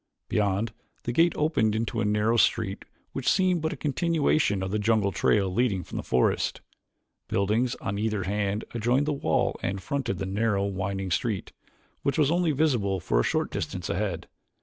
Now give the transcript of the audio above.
Beyond, the gate opened into a narrow street which seemed but a continuation of the jungle trail leading from the forest. Buildings on either hand adjoined the wall and fronted the narrow, winding street, which was only visible for a short distance ahead.